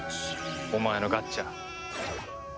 お前のガッチャ。